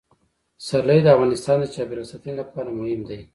پسرلی د افغانستان د چاپیریال ساتنې لپاره مهم دي.